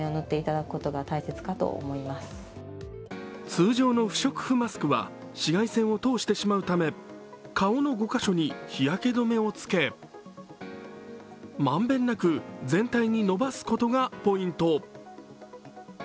通常の不織布マスクは紫外線を通してしまうため顔の５カ所に日焼け止めをつけ満遍なく全体に伸ばすことがポイント。